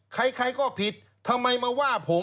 ใครก็ผิดทำไมมาว่าผม